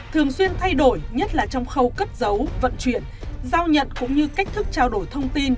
thường xuyên thay đổi nhất là trong khâu cất giấu vận chuyển giao nhận cũng như cách thức trao đổi thông tin